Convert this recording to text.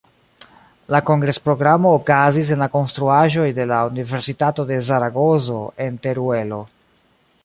La kongres-programo okazis en la konstruaĵoj de la Universitato de Zaragozo en Teruelo.